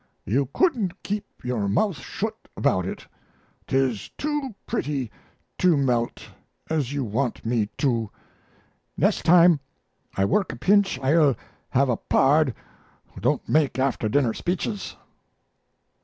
You couldn't keep your mouth shut about it. 'Tis 2 pretty 2 melt, as you want me 2; nest time I work a pinch ile have a pard who don't make after dinner speeches.